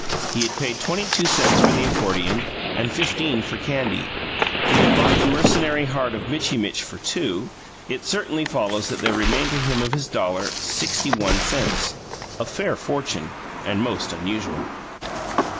He had paid twenty two cents for the accordion, and fifteen for candy; he had bought the mercenary heart of Mitchy Mitch for two: it certainly follows that there remained to him of his dollar, sixty one cents a fair fortune, and most unusual.